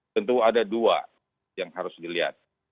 tentu ada dua yang harus dilihat